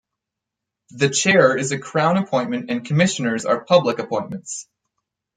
The Chair is a Crown appointment and Commissioners are public appointments.